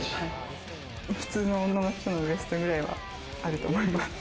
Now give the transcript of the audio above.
普通の女の人のウエストぐらいはあると思います。